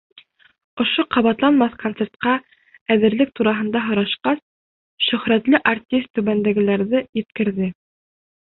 Ошо ҡабатланмаҫ концертҡа әҙерлек тураһында һорашҡас, шөһрәтле артист түбәндәгеләрҙе еткерҙе.